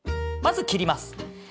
まず切ります。